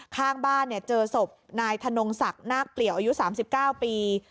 ข้างบ้านเจอศพนายธนงศักดิ์นาคเปลี่ยวอายุ๓๙ปี